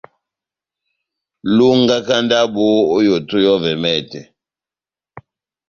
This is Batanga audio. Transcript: Longaka ndabo ό yoto yɔ́vɛ mɛtɛ.